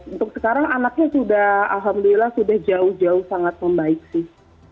untuk sekarang anaknya sudah alhamdulillah sudah jauh jauh sangat membaik sih